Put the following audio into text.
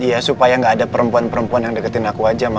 iya supaya gak ada perempuan perempuan yang deketin aku aja